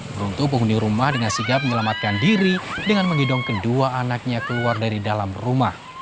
beruntung penghuni rumah dengan sigap menyelamatkan diri dengan mengidong kedua anaknya keluar dari dalam rumah